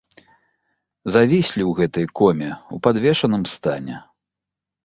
Завіслі ў гэтай коме, у падвешаным стане.